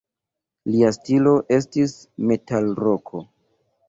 Lia stilo estis metalroko.